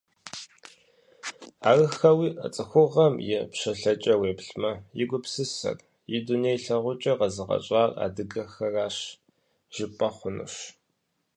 Арыххэуи, цӀыхугъэм и пщалъэкӀэ уеплъмэ, и гупсысэр, и дуней лъагъукӀэр къэзыгъэщӀар адыгэхэращ, жыпӀэ хъунущ.